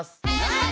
はい！